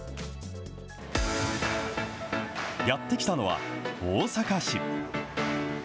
やって来たのは、大阪市。